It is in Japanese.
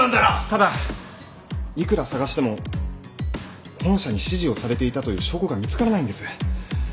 ただいくら捜しても本社に指示をされていたという証拠が見つからないんです。